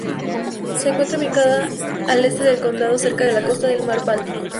Se encuentra ubicada al este del condado, cerca de la costa del mar Báltico.